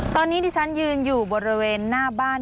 ตอนนี้ดิฉันยืนอยู่บริเวณหน้าบ้าน